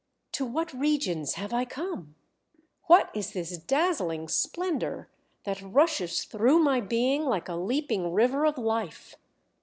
To what regions have I come? What is this dazzling splendour that rushes through my being like a leaping river of Life?